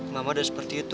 mama udah seperti itu